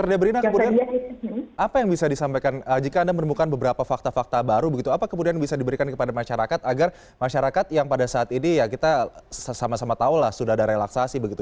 pak debrina kemudian apa yang bisa disampaikan jika anda menemukan beberapa fakta fakta baru begitu apa kemudian bisa diberikan kepada masyarakat agar masyarakat yang pada saat ini ya kita sama sama tahu lah sudah ada relaksasi begitu